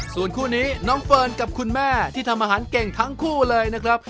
ส่วนคู่นี้น้องเฟิร์นกับคุณแม่ที่ทำอาหารเก่งทั้งคู่เลยนะครับ